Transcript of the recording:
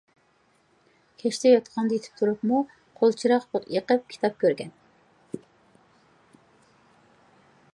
كەچتە يوتقاندا يېتىپ تۇرۇپمۇ قولچىراغ يېقىپ كىتاب كۆرگەن.